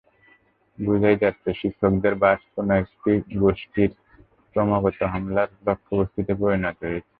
বোঝাই যাচ্ছে, শিক্ষকদের বাস কোনো একটি গোষ্ঠীর ক্রমাগত হামলার লক্ষ্যবস্তুতে পরিণত হয়েছে।